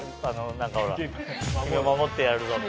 何かほら「君を守ってやるぞ」みたいな。